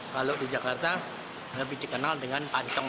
kalau di jakarta lebih dikenal dengan panteng